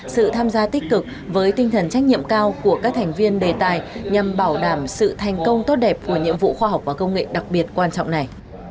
sự tham gia tích cực với tinh thần trách nhiệm cao của các thành viên đề tài nhằm bảo đảm sự thành công tốt đẹp của nhiệm vụ khoa học và công nghệ đặc biệt quan trọng này